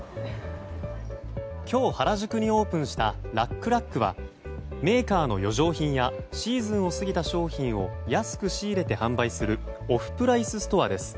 今日原宿にオープンしたラックラックはメーカーの余剰品やシーズンを過ぎた商品を安く仕入れて販売するオフプライスストアです。